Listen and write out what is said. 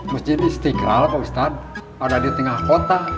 masjid istiqlal pak ustadz ada di tengah kota